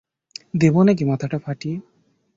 দেব নাকি মাথাটা ফাটিয়ে?